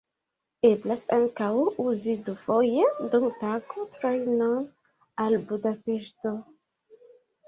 Eblas ankaŭ uzi dufoje dum tago trajnon al Budapeŝto.